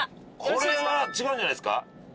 これは違うんじゃないですか。